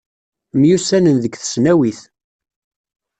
Myussanen deg tesnawit.